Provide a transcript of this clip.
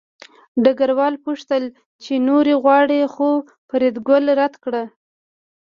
ډګروال وپوښتل چې نورې غواړې خو فریدګل رد کړه